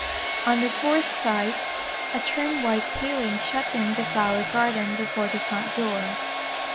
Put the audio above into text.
On the fourth side a trim white paling shut in the flower garden before the front door.